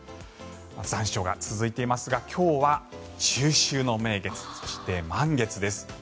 残暑が続いていますが今日は中秋の名月そして満月です。